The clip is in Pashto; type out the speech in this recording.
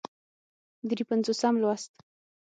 درې پينځوسم لوست